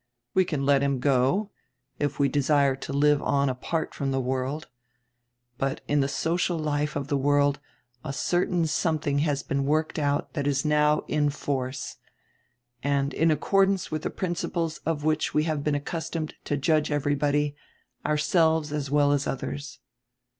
We can let him go, if we desire to live on apart from the world. But in the social life of the world a certain something has been worked out that is now in force, and in accordance with the principles of which we have been accustomed to judge everybody, ourselves as well as others.